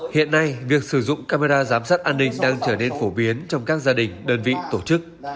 hiện nay việc sử dụng camera giám sát an ninh đang trở nên phổ biến trong các gia đình đơn vị tổ chức